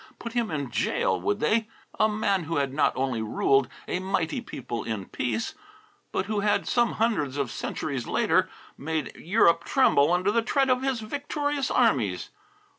Put him in jail, would they? A man who had not only once ruled a mighty people in peace, but who had, some hundreds of centuries later, made Europe tremble under the tread of his victorious armies.